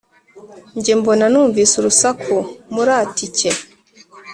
njye mbona numvise urusaku muri atike